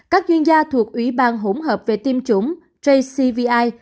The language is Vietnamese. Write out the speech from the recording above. các doanh nghiệp thuộc ủy ban hỗn hợp về tiêm chủng jcvi